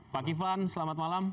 pak kiflan selamat malam